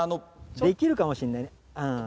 できるかもしれないね。